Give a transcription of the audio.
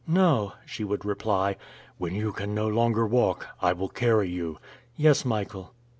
"No," she would reply. "When you can no longer walk, I will carry you." "Yes, Michael."